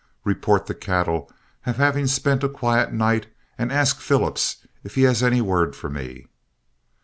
Report the cattle as having spent a quiet night and ask Phillips if he has any word for me."